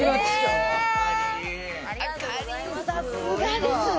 さすがですね